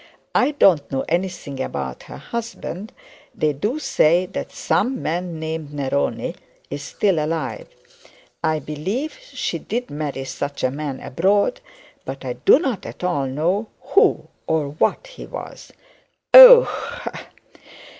'I don't know anything about her husband. They do say that some man named Neroni is still alive. I believe she did marry such a man abroad, but I do not at all know who or what he was.' 'Ah h h h!'